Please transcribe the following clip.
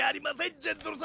ジェンドル様。